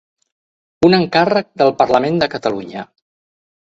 Un encàrrec del Parlament de Catalunya.